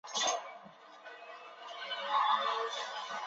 最先发现的裂变反应是由中子引发的裂变。